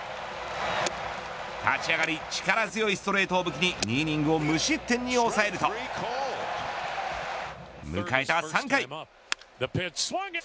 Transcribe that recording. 立ち上がり、力強いストレートを武器に２イニングを無失点に抑えると迎えた３回。